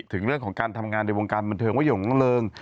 ถึงเรื่องของการทำงานในวงการบันเทิงว่าอย่างงเริง